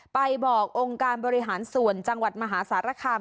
ไปบอกองค์การบริหารส่วนจังหวัดมหาสารคาม